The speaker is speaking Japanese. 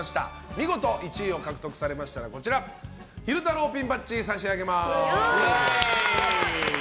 見事１位を獲得されましたら昼太郎ピンバッジを差し上げます。